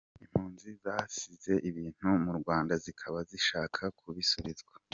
Impunzi zasize ibintu mu Rwanda zikaba zishaka kubisubizwa